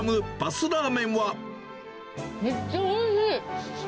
めっちゃおいしい。